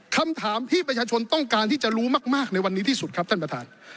คำถามที่ประชาชนต้องการที่จะรู้มากในวันนี้ที่สุดครับท่านประธาน